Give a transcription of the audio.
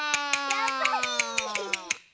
やっぱり！